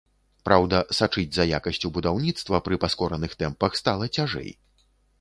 Праўда, сачыць за якасцю будаўніцтва пры паскораных тэмпах стала цяжэй.